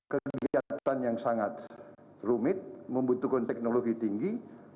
kegiatan yang sangat rumit membutuhkan teknologi tinggi